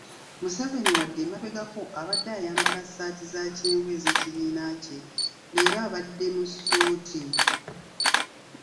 Museveni wadde emabegako abadde ayambala ssaati za kyenvu ez'ekibiina kye, leero abadde mu ssuuti.